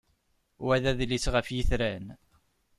Wa d adlis ɣef yitran.